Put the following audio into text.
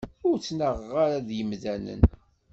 Ur ttnaɣeɣ ara d yemdanen.